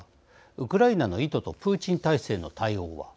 ウクライナの意図とプーチン体制の対応は。